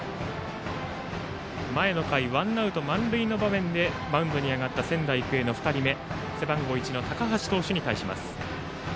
前の回にワンアウト満塁の場面でマウンドに上がった仙台育英の２人目背番号１の高橋投手に対します。